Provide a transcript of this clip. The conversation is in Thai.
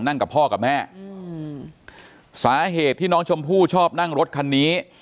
กับพ่อกับแม่อืมสาเหตุที่น้องชมพู่ชอบนั่งรถคันนี้